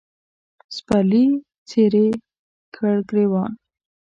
سپرلي څیرې کړ ګرېوان